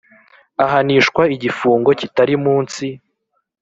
Ahanishwa igifungo kitari munsi